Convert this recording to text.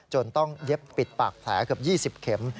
ต้องเย็บปิดปากแผลเกือบ๒๐เข็ม